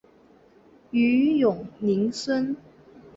徐永宁孙。